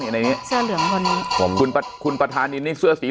เนี้ยในนี้เสื้อเหลืองบนนี้ผมคุณคุณประธานินนี่เสื้อสี